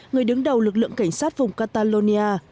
người đứng đầu lực lượng cảnh sát vùng catalonia